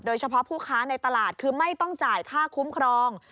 เฉพาะผู้ค้าในตลาดคือไม่ต้องจ่ายค่าคุ้มครอง